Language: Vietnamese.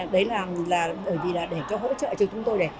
đấy là để hỗ trợ cho chúng tôi